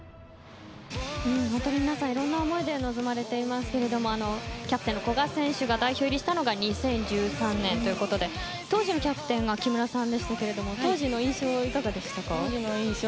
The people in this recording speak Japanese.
皆さん、いろんな思い臨まれていますけどもキャプテンの古賀選手が代表入りしたのが２０１３年ということで当時のキャプテンは木村さんでしたが当時の印象はいかがでしたか。